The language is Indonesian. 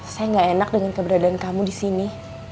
saya gak enak dengan keberadaan kamu disini